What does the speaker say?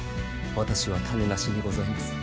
私は種無しにございます！